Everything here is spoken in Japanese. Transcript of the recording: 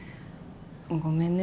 ごめんね。